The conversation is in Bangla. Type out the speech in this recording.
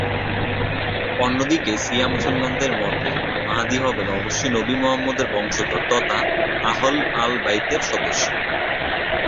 অন্যদিকে শিয়া মুসলমানদের মতে মাহদী হবেন অবশ্যই নবী মুহাম্মদের বংশধর তথা আহল আল-বাইতের সদস্য।